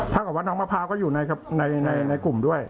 ถ้าหากว่าน้องมภาก็อยู่ในกลุ่มด้วย